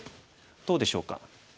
どうでしょうか？